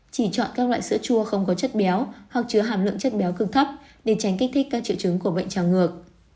chỉ chọn các loại sữa chua không có chất béo hoặc chứa hàm lượng chất béo cường thấp để tránh kích thích các triệu chứng của bệnh trào ngược